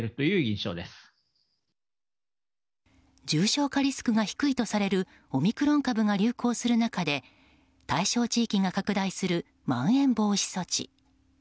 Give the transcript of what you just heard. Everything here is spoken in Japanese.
重症化リスクが低いとされるオミクロン株が流行する中で対象地域が拡大するまん延防止措置。